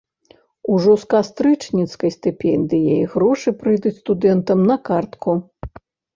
Ужо з кастрычніцкай стыпендыяй грошы прыйдуць студэнтам на картку.